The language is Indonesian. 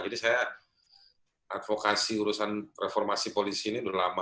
jadi saya advokasi urusan reformasi polisi ini sudah lama